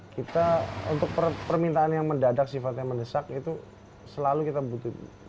kita untuk permintaan yang mendadak sifatnya mendesak itu selalu kita butuh